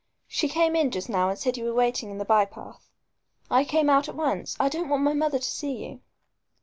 "She came in just now and said you were waiting in the by path. I came out at once. I don't want my mother to see you."